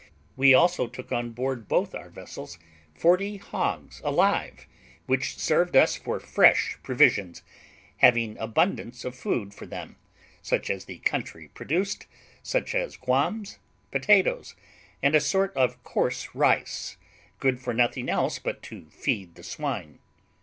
We also took on board both our vessels forty hogs alive, which served us for fresh provisions, having abundance of food for them, such as the country produced, such as guams, potatoes, and a sort of coarse rice, good for nothing else but to feed the swine.